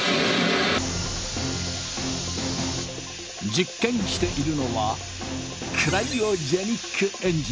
実験しているのは「クライオジェニック・エンジン」。